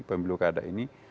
pemilu keadaan ini